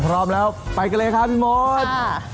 พร้อมแล้วไปกันเลยครับพี่มด